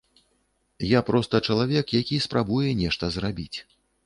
Я проста чалавек, які спрабуе нешта зрабіць.